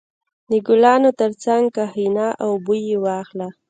• د ګلانو تر څنګ کښېنه او بوی یې واخله.